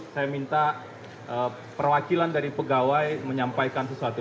saya minta perwakilan dari pegawai menyampaikan sesuatu